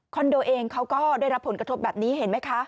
โดเองเขาก็ได้รับผลกระทบแบบนี้เห็นไหมคะ